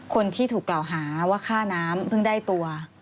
คนที่ถูกกล่าวหาว่าค่าน้ำเพิ่งได้ตัว